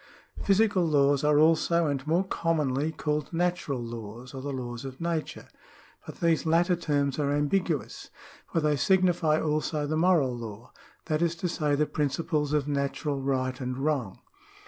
Physical laws are also, and more commonly, called natural laws, or the laws of nature ; but these latter terms are ambiguous, for they signify also the moral law ; that is to say the principles of natural right and wrong.